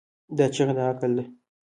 دا چیغه د عقل ده.